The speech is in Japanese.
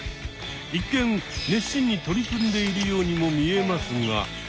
一見熱心に取り組んでいるようにも見えますが。